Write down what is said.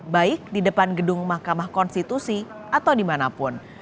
baik di depan gedung mahkamah konstitusi atau dimanapun